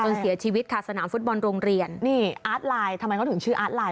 เพิ่งเสียชีวิตค่ะสนามฟุตบอลโรงเรียนนี่อาร์ตลายทำไมก็ถึงชื่ออาร์ตลาย